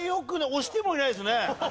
押してもいないですよね。